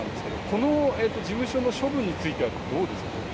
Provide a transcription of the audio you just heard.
この事務所の処分についてはどうですか？